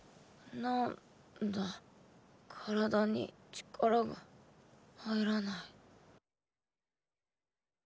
なんだ体に力が入らない。